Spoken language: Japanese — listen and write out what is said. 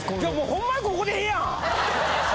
ホンマにここでええやん。